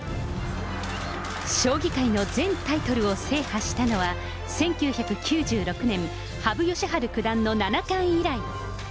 将棋界の全タイトルを制覇したのは、１９９６年、羽生善治九段の七冠以来。